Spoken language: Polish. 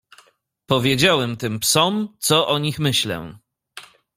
"Powiedziałem tym psom, co o nich myślę."